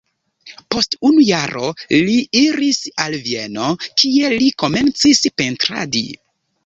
Post unu jaro li iris al Vieno, kie li komencis pentradi.